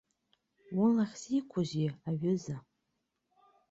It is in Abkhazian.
Улахь зеиқәузеи, аҩыза?